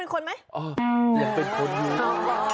ตอนนี้ยังเป็นคนอยู่